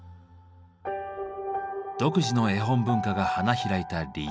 独自の絵本文化が花開いた理由。